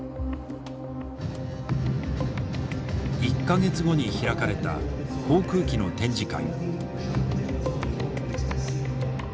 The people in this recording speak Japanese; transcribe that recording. １か月後に開かれた航空機の展示会。